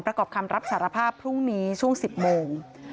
ประกอบคำรับสารภาพพรุ่งนี้ช่วง๑๐โมง